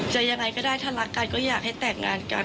ยังไงก็ได้ถ้ารักกันก็อยากให้แต่งงานกัน